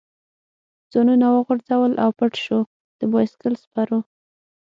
ځانونه وغورځول او پټ شو، د بایسکل سپرو.